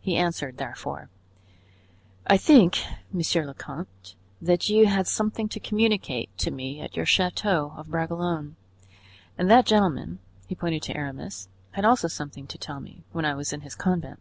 He answered therefore: "I think, monsieur le comte, that you had something to communicate to me at your chateau of Bragelonne, and that gentleman"—he pointed to Aramis—"had also something to tell me when I was in his convent.